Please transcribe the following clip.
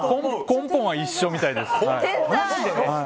根本は一緒みたいです。